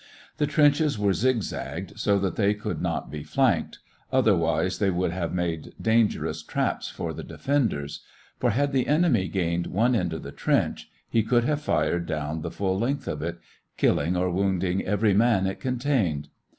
The trenches were zig zagged so that they could not be flanked, otherwise they would have made dangerous traps for the defenders; for had the enemy gained one end of the trench, he could have fired down the full length of it, killing or wounding every man it contained.